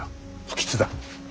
不吉だ。